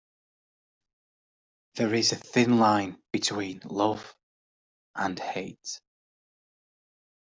There is a thin line between love and hate.